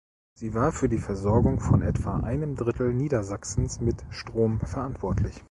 Sie war für die Versorgung von etwa einem Drittel Niedersachsens mit Strom verantwortlich.